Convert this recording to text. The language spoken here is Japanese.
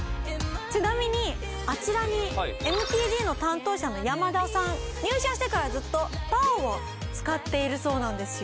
ちなみにあちらにＭＴＧの担当者の山田さん入社してからずっとＰＡＯを使っているそうなんですよ